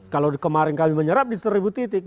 kalau kemarin kami menyerap di seribu titik